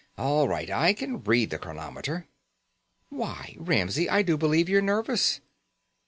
"All right. I can read the chronometer." "Why, Ramsey! I do believe you're nervous."